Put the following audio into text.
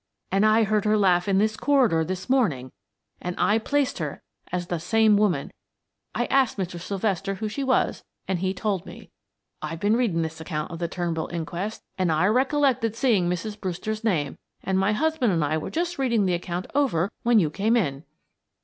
"And I heard her laugh in this corridor this morning and I placed her as the same woman. I asked Mr. Sylvester who she was, and he told me. I'd been reading this account of the Turnbull inquest, and I recollected seeing Mrs. Brewster's name, and my husband and I were just reading the account over when you came in."